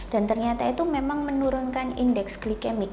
dan ternyata itu memang menurunkan indeks glycemic